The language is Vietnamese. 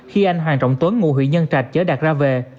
khi anh hoàng trọng tuấn ngụ huyện nhân trạch chở đạt ra về